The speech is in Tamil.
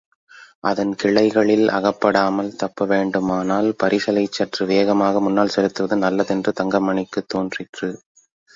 அதன் கிளைகளில் அகப்படாமல் தப்பவேண்டுமானால் பரிசலைச்சற்று வேகமாக முன்னால் செலுத்துவது நல்லதென்று தங்கமணிக்குத் தோன்றிற்று.